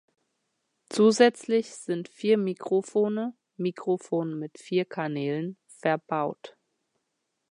Zusätzlich sind vier Mikrofone (Mikrofon mit vier Kanälen) verbaut.